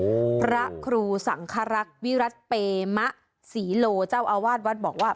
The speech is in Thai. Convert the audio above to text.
โอ้โหพระครูสังคระรักเวรััตเฟมะสีโหร์เจ้าอวาดวัดบอกว่า